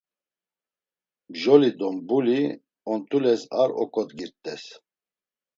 Mjoli do mbuli, ont̆ules ar ok̆odgirt̆es.